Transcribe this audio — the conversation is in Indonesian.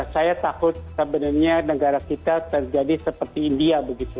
saya takut sebenarnya negara kita terjadi seperti india begitu